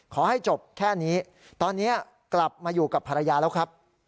ขอให้จบแค่นี้ตอนนี้กลับมาอยู่กับภรรยาแล้วครับ